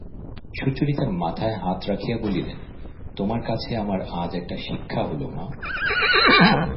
সুচরিতার মাথায় হাত রাখিয়া বলিলেন, তোমার কাছে আমার আজ একটা শিক্ষা হল মা!